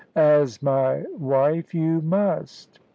"As my wife, you must."